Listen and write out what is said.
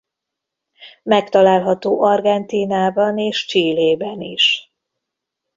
Megtalálható Argentínában és Chilében is.